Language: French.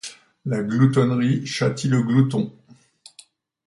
La gloutonnerie châtie le glouton.